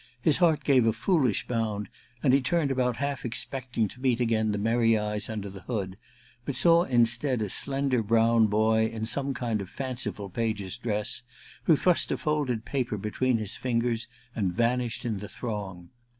His heart gave a foolish bound, and he turned about half expecting to meet again the merry eyes under the hood; but saw instead a slender brown boy, in some kind of fanciful page's dress, who thrust a folded paper between his fingers and vanished in the throng.